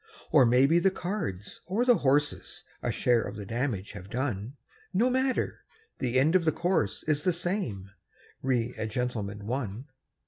Or maybe the cards or the horses A share of the damage have done No matter; the end of the course is The same: "Re a Gentleman, One".